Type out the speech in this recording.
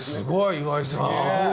岩井さん。